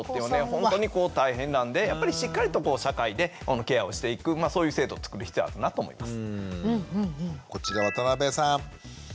本当に大変なんでやっぱりしっかりと社会でケアをしていくそういう制度を作る必要はあるなと思います。